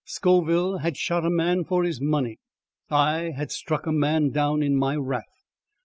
Scoville had shot a man for his money. I had struck a man down in my wrath.